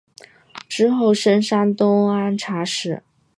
之后升山东按察使。